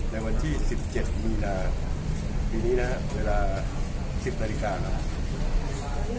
ในวันที่๑๗มีนาปีนี้นะครับเวลา๑๐นาฬิกานะครับ